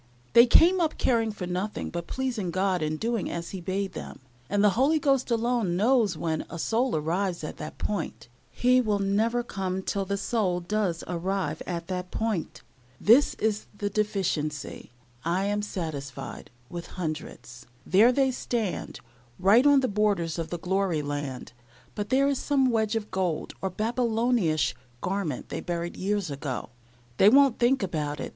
They came up caring for nothing but pleasing God and doing as He bade them; and the Holy Ghost alone knows when a soul arrives at that point. He will never come till the soul does arrive at that point. This is the deficiency, I am satisfied, with hundreds. There they stand, right on the borders of the glory land, but there is some wedge of gold, or Babylonish garment that they buried years ago. They won't think about it.